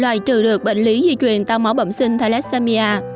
loài trừ được bệnh lý di truyền tăng máu bậm sinh thalassemia